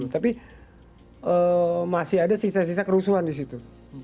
tapi masih ada sisa sisa kerusuhan di situ